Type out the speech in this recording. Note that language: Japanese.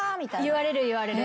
言われる言われる。